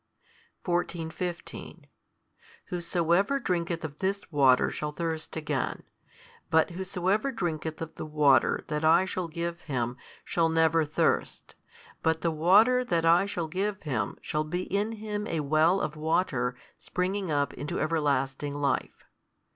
14, 15 Whosoever drinketh of this water shall thirst again, but whosoever drinketh of the water that I shall give him shall never thirst; but the water that I shall give him shall be in him a well of water springing up into everlasting life.